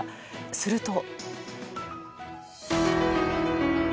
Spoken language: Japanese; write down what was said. すると。